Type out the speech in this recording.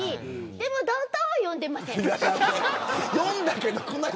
でもダウンタウンは呼んでいません。